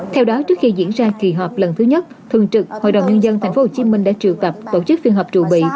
theo đó trước khi diễn ra kỳ họp lần thứ nhất thường trực hội đồng nhân dân tp hcm đã triệu tập tổ chức phiên họp trụ bị